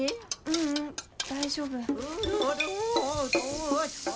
ううん大丈夫。